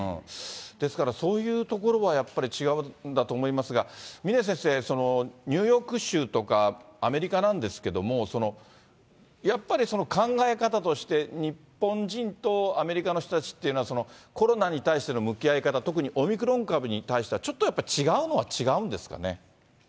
ですから、そういうところはやっぱり違うんだと思いますが、峰先生、ニューヨーク州とか、アメリカなんですけども、やっぱりその考え方として、日本人とアメリカの人たちっていうのは、コロナに対しての向き合い方、特にオミクロン株に対しては、ちょっとやっぱり違うのは違うんですかね。